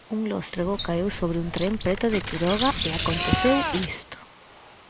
Un lóstrego caeu sobre un tren preto de Quiroga e aconteceu isto.